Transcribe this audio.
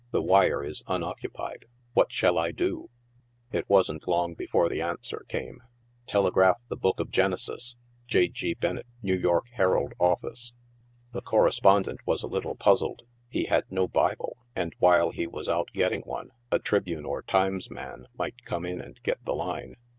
The wire is uaoccuniod What shall I do ?"* It wasn't long before the answer came. " Telegraph the Book of Genesis." J. G. Bennett, N. Y. Herald Offlce. The correspondent was a little puzzled ; he had no Bible, and while he was out getting one, a Tribune or Times man might come in and get the line.